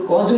có dự án